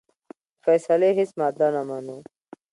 د فیصلې هیڅ ماده نه منو.